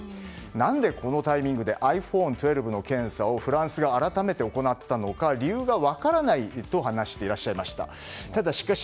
何でこのタイミングでｉＰｈｏｎｅ１２の検査をフランスが改めて行ったのか理由が分からないと話していらっしゃいました。